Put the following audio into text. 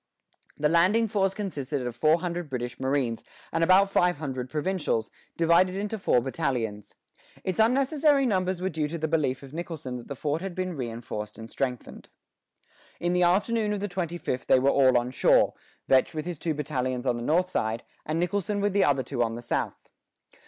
The landing force consisted of four hundred British marines, and about fifteen hundred provincials, divided into four battalions. Its unnecessary numbers were due to the belief of Nicholson that the fort had been reinforced and strengthened. In the afternoon of the twenty fifth they were all on shore, Vetch with his two battalions on the north side, and Nicholson with the other two on the south.